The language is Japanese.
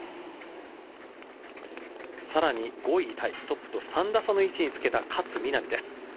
さらに、５位タイトップと３打差の位置につけた勝みなみです。